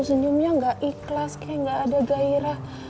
senyumnya gak ikhlas kayak gak ada gairah